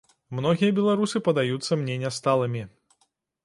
Многія беларусы падаюцца мне нясталымі.